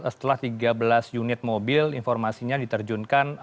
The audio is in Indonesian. setelah tiga belas unit mobil informasinya diterjunkan